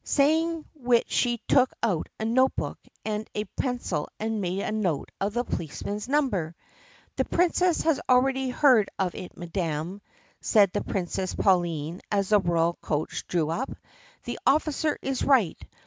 Saying which she took out a note book and a pencil and made a note of the policeman's number. "The Princess has already heard of it, madam," said the Princess Pauline as the royal coach drew up. "The officer is right.